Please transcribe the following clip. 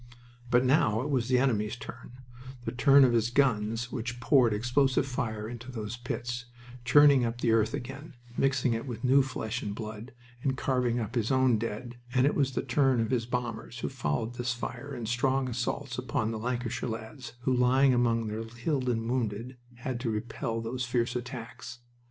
But now it was the enemy's turn the turn of his guns, which poured explosive fire into those pits, churning up the earth again, mixing it with new flesh and blood, and carving up his own dead; and it was the turn of his bombers, who followed this fire in strong assaults upon the Lancashire lads, who, lying among their killed and wounded, had to repel those fierce attacks.